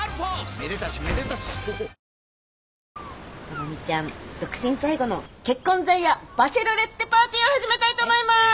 知美ちゃん独身最後の結婚前夜バチェロレッテパーティーを始めたいと思います。